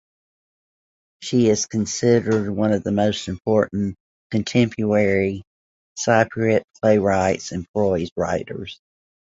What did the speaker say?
She is considered one of the most important contemporary Cypriot playwrights and prose writers.